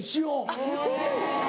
あっ持っていくんですか。